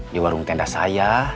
di warung tenda saya